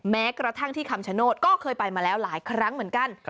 แม้กระทั่งที่คำชโนธก็เคยไปมาแล้วหลายครั้งเหมือนกัน